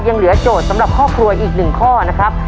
ยังเหลือโจทย์สำหรับครอบครัวอีก๑ข้อนะครับ